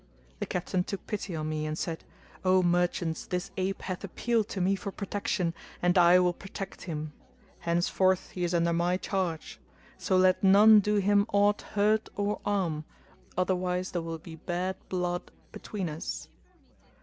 The Captain took pity on me, and said, "O merchants! this ape hath appealed to me for protection and I will protect him; henceforth he is under my charge: so let none do him aught hurt or harm, otherwise there will be bad blood between us."